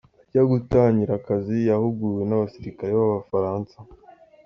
Ajya gutangira akazi yahuguwe n’abasirikare b’Abafaransa